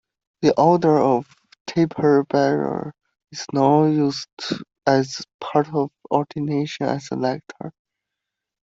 The order of taper-bearer is now used as part of ordination as a lector.